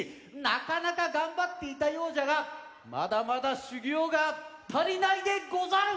なかなかがんばっていたようじゃがまだまだしゅぎょうがたりないでござる！